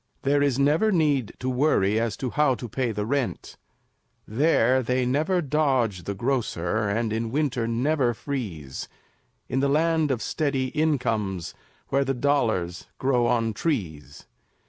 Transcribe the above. There is never need to worry As to how to pay the rent; There they never dodge the grocer, And in winter never freeze, In the Land of Steady Incomes, Where the dollars grow on trees.